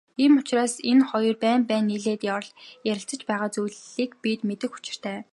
Ийм учраас энэ хоёрын байн байн нийлээд ярилцаж байгаа зүйлийг бид мэдэх учиртай.